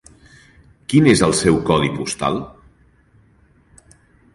Quin és el seu codi postal?